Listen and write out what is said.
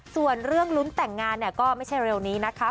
ส่วนเรื่องลุ้นแต่งงานเนี่ยก็ไม่ใช่เร็วนี้นะคะ